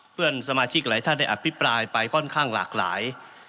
เพื่อนสมาชิกหลายท่านได้อภิปรายไปค่อนข้างหลากหลาย